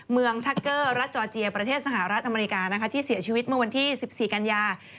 เมืองทักเกอร์รัฐจอร์เจียประเทศสหรัฐอเมริกานะคะที่เสียชีวิตเมื่อวันที่๑๔กันยา